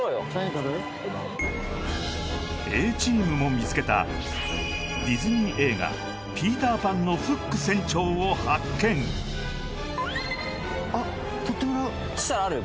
Ａチームも見つけたディズニー映画ピーター・パンのフック船長を発見そしたらあるよ